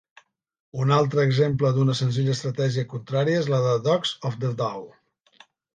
Un altre exemple d'una senzilla estratègia contraria és la de Dogs of the Dow.